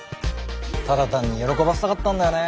ただ単に喜ばせたかったんだよね